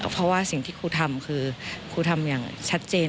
เพราะว่าสิ่งที่ครูทำคือครูทำอย่างชัดเจน